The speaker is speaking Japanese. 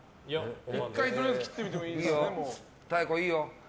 １回とりあえず切ってみてもいいですよ。